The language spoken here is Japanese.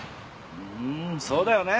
ふんそうだよね。